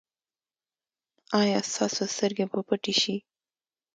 ایا ستاسو سترګې به پټې شي؟